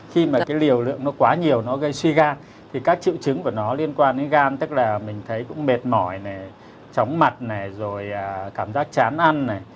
khi mà cái liều lượng nó quá nhiều nó gây suy gan thì các triệu chứng của nó liên quan đến gan tức là mình thấy cũng mệt mỏi này chóng mặt này rồi cảm giác chán ăn này